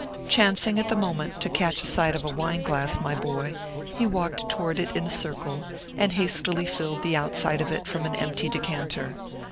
Chancing at the moment to catch sight of a wine glass, my boy, he walked toward it in a circle, and hastily filled the outside of it from an empty decanter.